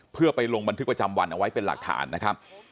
เพื่อไปลงบันทึกประจำวันเอาไว้เป็นหลักฐานนะครับ